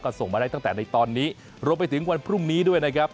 ก็ส่งมาได้ตั้งแต่ในตอนนี้รวมไปถึงวันพรุ่งนี้ด้วยนะครับ